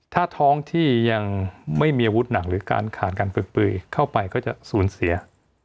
ถ้าท้องที่ยังไม่มีอาวุธหนักหรือการขาดการฝึกปืยเข้าไปก็จะสูญเสีย